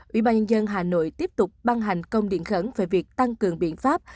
ủy ban nhân dân hà nội tiếp tục băng hành công điện khẩn về việc tăng cường biện pháp